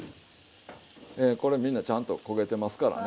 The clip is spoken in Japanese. ええこれみんなちゃんと焦げてますからね。